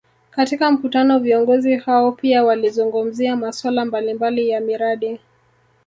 Katika mkutano viongozi hao pia walizungumzia masuala mbalimbali ya miradi